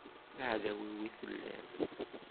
D aɛdaw-iw i telliḍ.